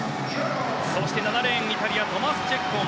そして７レーンイタリア、トマス・チェッコン。